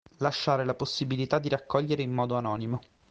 Lasciare la possibilità di raccogliere in modo anonimo.